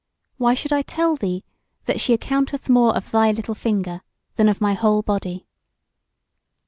Why should I tell thee that she accounteth more of thy little finger than of my whole body?